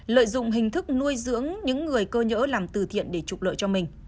lợi dụng hình thức nuôi dưỡng những người cơ nhỡ làm từ thiện để trục lợi cho mình